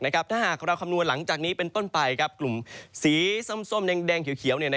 ถ้าหากเราคำนวณหลังจากนี้เป็นต้นไปกลุ่มสีส้มแดงเขียว